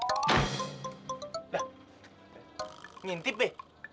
lah ngintip be